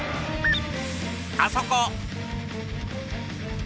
あそこ。